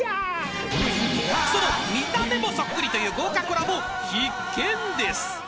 ［その見た目もそっくりという豪華コラボ必見です］